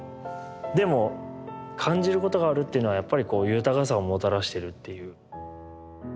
でも感じることがあるっていうのはやっぱりこう豊かさをもたらしてるっていう。